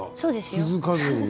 気付かずに。